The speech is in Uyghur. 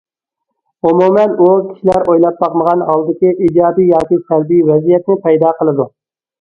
ئومۇمەن، ئۇ، كىشىلەر ئويلاپ باقمىغان ھالدىكى ئىجابىي ياكى سەلبىي ۋەزىيەتنى پەيدا قىلىدۇ.